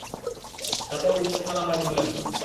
তাতেও উম্মে সালাম রাজী হলেন না।